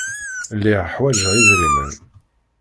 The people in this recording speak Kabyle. Lliɣ ḥwajeɣ idrimen.